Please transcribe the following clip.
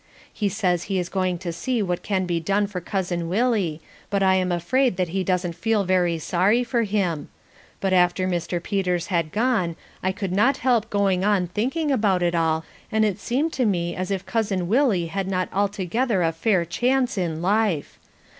He says he is going to see what can be done for Cousin Willie but I am afraid that he doesn't feel very sorry for him; but after Mr. Peters had gone I could not help going on thinking about it all and it seemed to me as if Cousin Willie had not altogether had a fair chance in life.